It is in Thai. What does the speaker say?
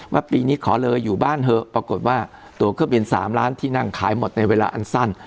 ปีนี้ขอเลยอยู่บ้านเถอะปรากฏว่าตัวเครื่องบิน๓ล้านที่นั่งขายหมดในเวลาอันสั้น